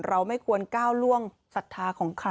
ไม่ควรก้าวล่วงศรัทธาของใคร